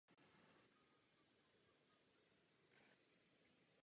Hart a jeho manželka mají dva syny.